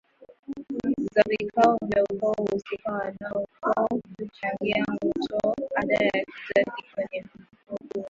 za vikao vya ukoo husika Wanaukoo huchangia Nguto ada ya kijadi kwenye mfuko huo